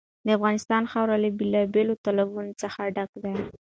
د افغانستان خاوره له بېلابېلو تالابونو څخه ډکه ده.